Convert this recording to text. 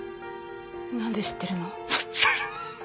なんで知ってるの？